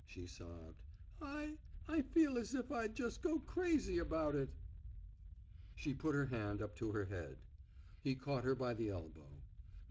She sobbed: I — I feel as if I'd just go crazy about it." She put her hand up to her head. He caught her by the elbow.